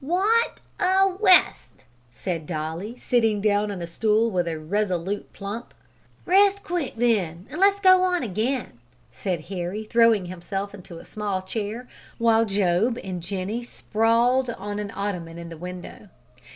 "Want a 'est!" said Dolly, sitting down on a stool with a resolute plump. "Rest quick, then, and let's go on again," said Harry, throwing himself into a small chair, while Job and Jenny sprawled on an ottoman in the window.